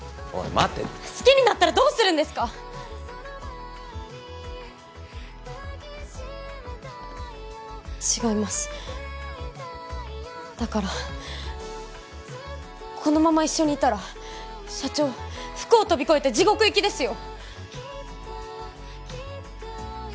待て好きになったらどうするんですか違いますだからこのまま一緒にいたら社長不幸飛び越えて地獄行きですよ！